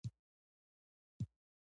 ـ ټوټې ټوټې چېرته ځې ،چې بېرته به راځې.